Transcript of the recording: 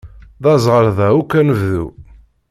D aẓɣal da akk anebdu.